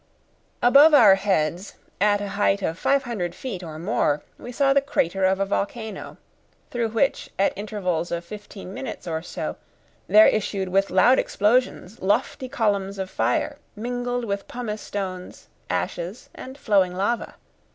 Above our heads, at a height of five hundred feet or more, we saw the crater of a volcano, through which, at intervals of fifteen minutes or so, there issued with loud explosions lofty columns of fire, mingled with pumice stones, ashes, and flowing lava.